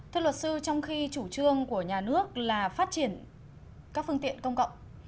thưa luật sư trong khi chủ trương của nhà nước là phát triển các phương tiện công cộng